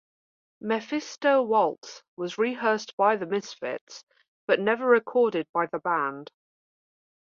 "Mephisto Waltz" was rehearsed by the Misfits but never recorded by the band.